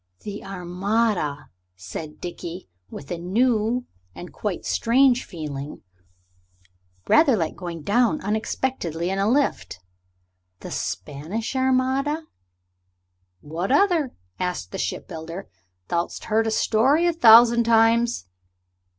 "The Armada!" said Dickie, with a new and quite strange feeling, rather like going down unexpectedly in a lift. "The Spanish Armada?" "What other?" asked the ship builder. "Thou'st heard the story a thousand times."